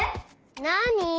なに？